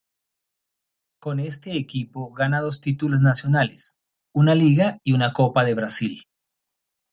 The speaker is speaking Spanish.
Con este equipo gana dos títulos nacionales: una Liga y una Copa de Brasil.